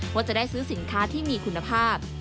ว่าจะได้ซื้อสินค้าที่มีคุณภาพ